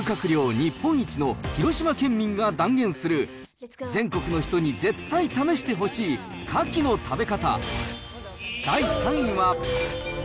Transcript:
日本一の広島県民が断言する、全国の人に絶対試してほしいカキの食べ方。